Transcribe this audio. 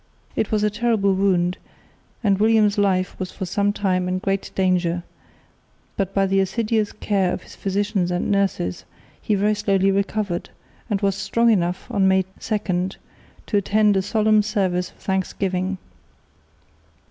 It was a terrible wound and William's life was for some time in great danger; but by the assiduous care of his physicians and nurses he very slowly recovered, and was strong enough, on May 2, to attend a solemn service of thanksgiving.